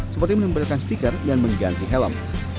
seperti menempelkan stiker dan mengganti helm